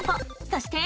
そして。